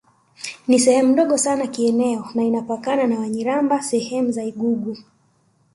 Ni sehemu ndogo sana kieneo na inapakana na Wanyiramba sehemu za lgugu